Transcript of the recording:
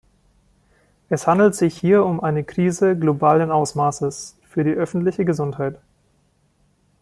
Es handelt sich hier um eine Krise globalen Ausmaßes für die öffentliche Gesundheit.